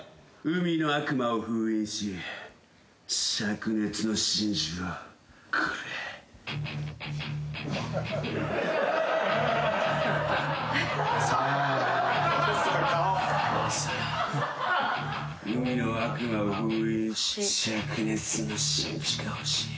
海の悪魔を封印し灼熱の真珠が欲しい。